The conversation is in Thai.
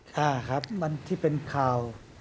ใช่ครับมันที่เป็นข่าว